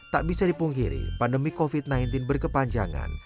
tak bisa dipungkiri pandemi covid sembilan belas berkepanjangan